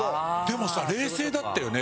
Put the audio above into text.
でもさ冷静だったよね。